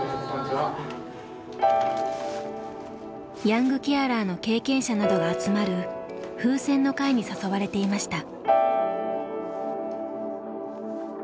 ヤングケアラーの経験者などが集まるふうせんの会に誘われていました。